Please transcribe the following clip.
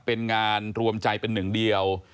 เป็นงานรวมใจเป็นหนึ่งเดียว